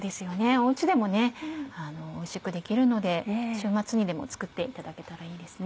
お家でもおいしくできるので週末にでも作っていただけたらいいですね。